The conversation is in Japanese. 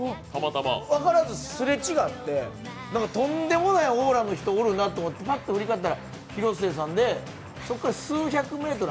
分からずすれ違って、どんでもないオーラの人おるなと思って、ぱっと振り返ったら広末さんで、そこから数百メートル